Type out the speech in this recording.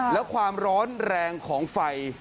แล้วความร้อนแรงของไฟ